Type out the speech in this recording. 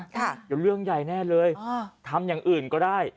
เดี๋ยวเรื่องใหญ่แน่เลยทำอย่างอื่นก็ได้